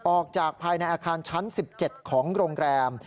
ออกจากภายในอาคารชั้น๑๗ของโรงแรม